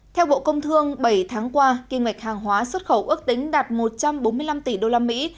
theo bộ công thương bảy tháng qua kim ngạch hàng hóa xuất khẩu ước tính đạt một trăm bốn mươi năm tỷ đô la mỹ